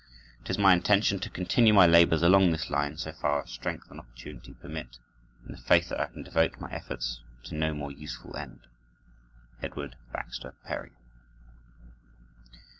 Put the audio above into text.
It is my intention to continue my labors along this line so far as strength and opportunity permit, in the faith that I can devote my efforts to no more useful end. _Edward Baxter Perry.